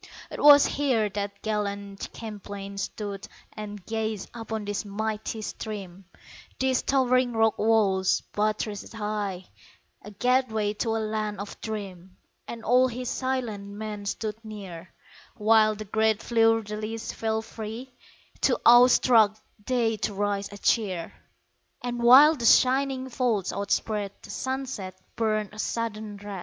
'Twas here that gallant Champlain stood And gazed upon this mighty stream, These towering rock walls, buttressed high A gateway to a land of dream; And all his silent men stood near While the great fleur de lis fell free, (Too awe struck they to raise a cheer) And while the shining folds outspread The sunset burned a sudden red.